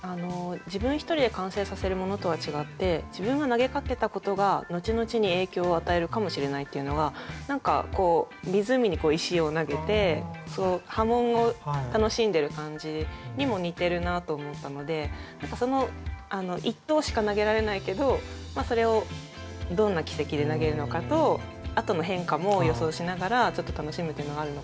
自分一人で完成させるものとは違って自分が投げかけたことが後々に影響を与えるかもしれないっていうのが何かこう湖に石を投げて波紋を楽しんでる感じにも似てるなと思ったので何かその一投しか投げられないけどそれをどんな軌跡で投げるのかとあとの変化も予想しながらちょっと楽しむっていうのがあるのかな。